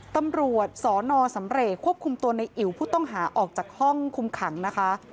ตำรวจสนสำเรกควบคุมตัวในอิ๋วผู้ต้องหาออกจากห้องคุมขังนะคะ